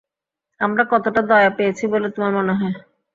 আমরা কতটা দয়া পেয়েছি বলে তোমার মনে হয়?